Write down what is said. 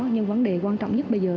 nhưng vấn đề quan trọng nhất bây giờ